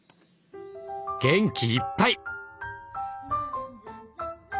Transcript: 元気いっぱい！